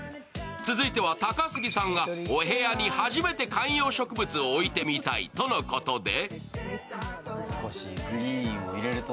続いては高杉さんがお部屋に初めて観葉植物を置いてみたいということで。